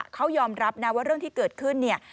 เขายอมรับนะว่าเรื่องที่เกิดขึ้นเนี่ย